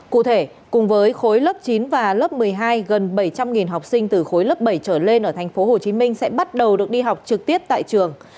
cụ thể cùng với khối lớp chín và lớp một mươi hai gần bảy trăm linh học sinh từ khối lớp bảy trở lên ở tp hcm sẽ bắt đầu được đi học trực tiếp tại trường